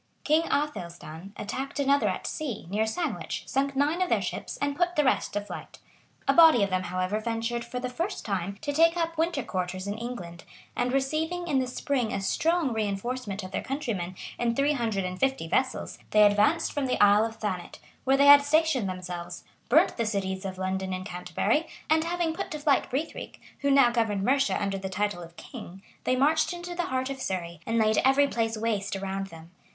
] King Athelstan attacked another at sea, near Sandwich, sunk nine of their ships, and put the rest to flight.[*] [* Chron. Sax. p. 74. Asser. p. 2.] A body of them, however, ventured, for the first time, to take up winter quarters in England; and receiving in the spring a strong reënforcement of their countrymen, in three hundred and fifty vessels, they advanced from the Isle of Thanet, where they had stationed themselves, burnt the cities of London and Canterbury, and having put to flight Brichtric, who now governed Mercia under the title of king, they marched into the heart of Surrey, and laid every place waste around them.